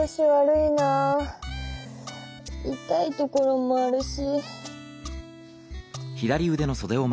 いたいところもあるし。